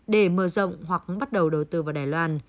để mở rộng hoặc bắt đầu đầu tư vào đài loan